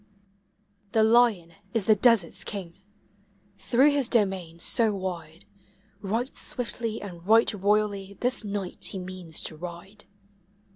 The lion is the desert's king; through his domain so wide Right swiftly and right royally this night he means to ride.